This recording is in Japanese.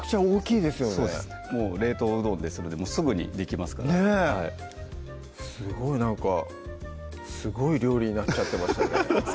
そうですもう冷凍うどんですぐにできますからすごいなんかすごい料理になっちゃってますよね